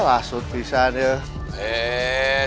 maksud pisahnya eh